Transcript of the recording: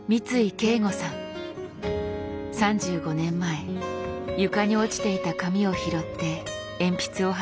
３５年前床に落ちていた紙を拾って鉛筆を走らせた人です。